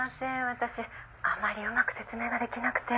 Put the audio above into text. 私あまりうまく説明ができなくて。